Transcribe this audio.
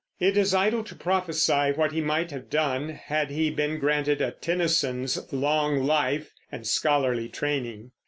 It is idle to prophesy what he might have done, had he been granted a Tennyson's long life and scholarly training.